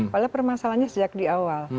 padahal permasalahannya sejak di awal